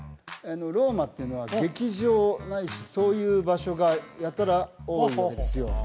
ローマっていうのは劇場ないしそういう場所がやたら多いんですよ